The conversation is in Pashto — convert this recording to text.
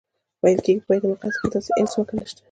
ویل کېږي په بیت المقدس کې داسې انچ ځمکه نشته.